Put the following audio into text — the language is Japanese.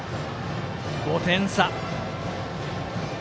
５点差。